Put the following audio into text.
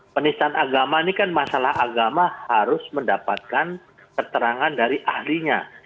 penistaan agama ini kan masalah agama harus mendapatkan keterangan dari ahlinya